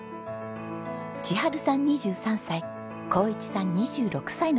千春さん２３歳紘一さん２６歳の時に結婚。